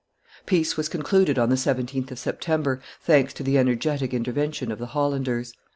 Peace was concluded on the 17th of September, thanks to the energetic intervention of the Hollanders.